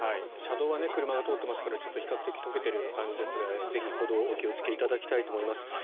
車道は車が通っていますから比較的、解けている感じですがぜひ歩道お気をつけいただきたいと思います。